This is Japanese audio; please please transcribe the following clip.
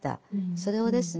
それをですね